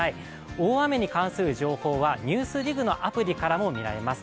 大雨に関する情報はＮＥＷＳＤＩＧの情報からも読めます。